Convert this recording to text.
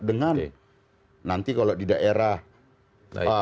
dengan nanti kalau di daerah ada kasus korupsi